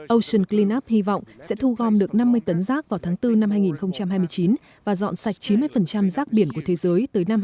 ocean cleanup hy vọng sẽ thu gom được năm mươi tấn rác vào tháng bốn năm hai nghìn hai mươi chín và dọn sạch chín mươi rác biển của thế giới tới năm hai nghìn ba mươi